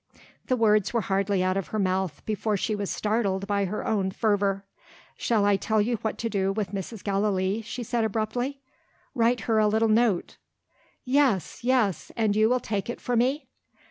The words were hardly out of her mouth before she was startled by her own fervour. "Shall I tell you what to do with Mrs. Gallilee?" she said abruptly. "Write her a little note." "Yes! yes! and you will take it for me?"